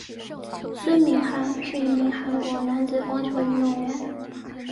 孙敏汉是一名韩国男子棒球运动员。